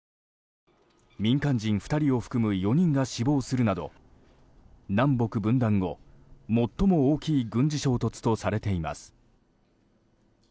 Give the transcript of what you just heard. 民間人２人を含む４人が死亡するなど南北分断後、最も大きい軍事衝突とされています。